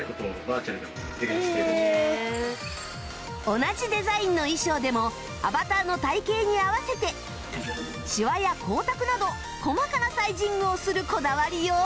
同じデザインの衣装でもアバターの体形に合わせてシワや光沢など細かなサイジングをするこだわりよう